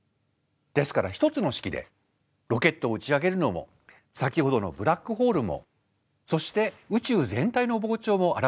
ですから１つの式でロケットを打ち上げるのも先ほどのブラックホールもそして宇宙全体の膨張も表すことができる。